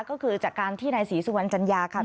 ก็คือจากการที่นายศรีสุวรรณจัญญาค่ะ